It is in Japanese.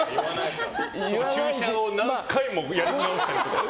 駐車を何回もやり直したりとか。